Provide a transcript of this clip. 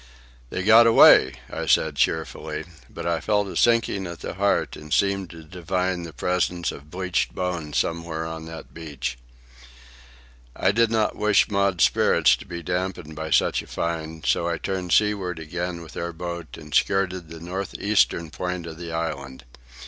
"They got away," I said cheerfully; but I felt a sinking at the heart and seemed to divine the presence of bleached bones somewhere on that beach. I did not wish Maud's spirits to be dampened by such a find, so I turned seaward again with our boat and skirted the north eastern point of the island.